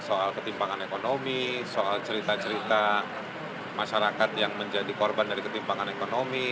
soal ketimpangan ekonomi soal cerita cerita masyarakat yang menjadi korban dari ketimpangan ekonomi